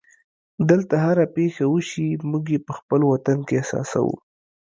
دلته هره پېښه وشي موږ یې په خپل وطن کې احساسوو.